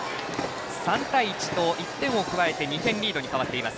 ３対１と１点を加えて２点リードに変わっています。